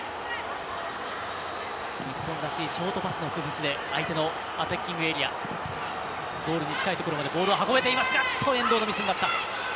日本らしいショートパスの崩しで相手のアタッキングエリアゴールに近いところまでボールが運べています。